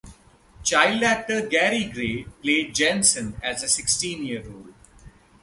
Child actor Gary Gray played Jensen as a sixteen-year-old.